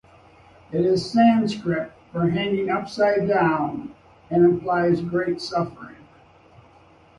It is Sanskrit for "hanging upside down" and implies great suffering.